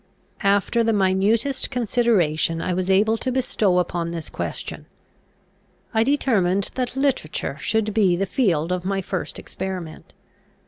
After the minutest consideration I was able to bestow upon this question. I determined that literature should be the field of my first experiment.